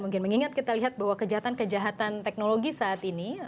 mengingat kita lihat bahwa kejahatan kejahatan teknologi saat ini